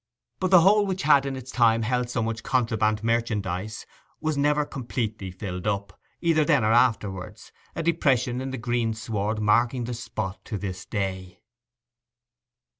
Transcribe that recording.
But the hole which had in its time held so much contraband merchandize was never completely filled up, either then or afterwards, a depression in the greensward marking the spot to this day.